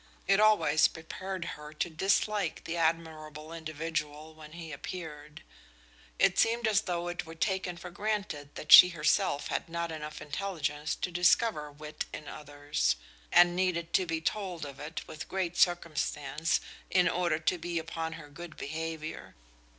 It always prepared her to dislike the admirable individual when he appeared. It seemed as though it were taken for granted that she herself had not enough intelligence to discover wit in others, and needed to be told of it with great circumstance in order to be upon her good behavior.